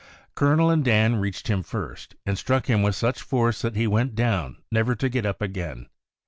Colonel and Dan reached him first, and struck him with such force that he went down never to get up again.